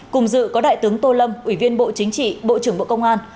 cùng dự có đại tướng tô lâm ủy viên bộ chính trị bộ trưởng bộ công an